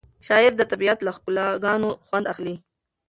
شاعر د طبیعت له ښکلاګانو خوند اخلي.